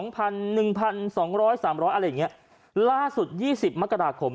๑พันสองร้อยสามร้อยอะไรอย่างเงี้ยล่าสุดยี่สิบมกฎาคม